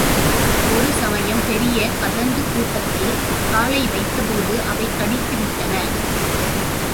ஒரு சமயம் பெரிய கதண்டுக் கூட்டத்தில் காலை வைத்தபோது அவை கடித்துவிட்டன.